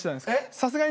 さすがに。